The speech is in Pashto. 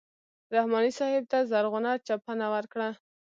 رحماني صاحب ته زرغونه چپنه ورکړه.